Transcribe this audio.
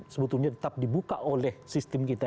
sebetulnya tetap dibuka oleh sistem kita